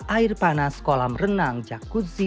air panas kolam renang jacuzzi